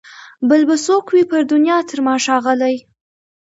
بل به څوک وي پر دنیا تر ما ښاغلی